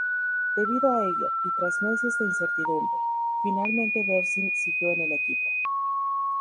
Debido a ello, y tras meses de incertidumbre, finalmente Berzin siguió en el equipo.